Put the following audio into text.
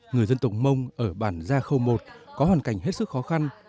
nhà tổng mông ở bản gia khâu một có hoàn cảnh hết sức khó khăn